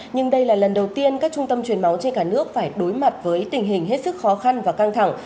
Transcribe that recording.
nhưng đây là lần đầu tiên các trung tâm truyền máu trên cả nước phải đối mặt với tình hình hết sức khó khăn và căng thẳng